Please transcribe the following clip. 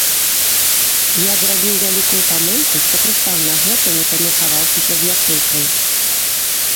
Я зрабіў вялікую памылку, што прыстаў на гэта, не памеркаваўшыся з ячэйкаю.